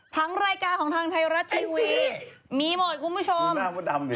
ทั้งรายการของทางไทยรัตน์ทีวีมีหมดคุณผู้ชมดูหน้ามดดำดิ